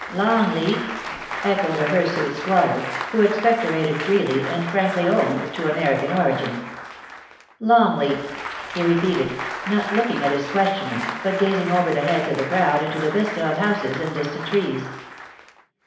' Longleat !* echoed a hirsute squatter, who expectorated freely, and frankly owned to American origin. ' Longleat !* he repeated, not looking at his questioner, but gazing over the heads of the crowd into the vista of houses and distant trees.